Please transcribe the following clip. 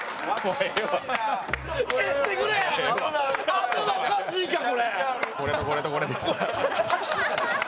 頭おかしいから！